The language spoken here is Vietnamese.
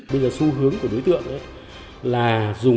bây giờ xu hướng của đối tượng là dùng